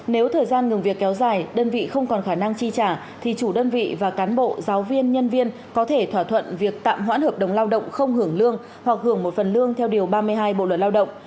nếu thời gian ngừng việc kéo dài đơn vị không còn khả năng chi trả thì chủ đơn vị và cán bộ giáo viên nhân viên có thể thỏa thuận việc tạm hoãn hợp đồng lao động không hưởng lương hoặc hưởng một phần lương theo điều ba mươi hai bộ luật lao động